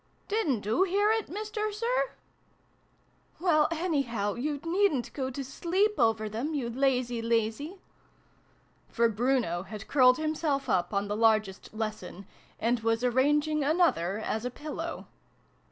Didn't oo hear it, Mister Sir ?"" Well, anyhow, you needn't go to sleep over them, you lazy lazy !" For Bruno had curled himself up, on the largest ' lesson,' and was arranging another as a pillow.